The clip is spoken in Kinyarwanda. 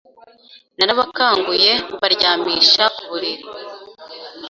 Narabakanguye mbaryamisha kuburiri